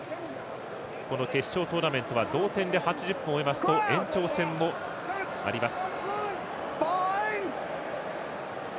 決勝トーナメントは同点で８０分終えますと延長戦もあります。